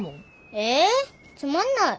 えつまんない。